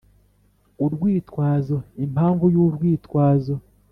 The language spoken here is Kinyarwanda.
Urwitwazo impamvu y urwitwazo